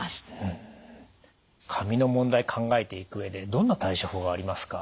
髪の問題考えていく上でどんな対処法がありますか？